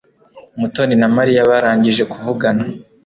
Mutoni na Mariya barangije kuvugana.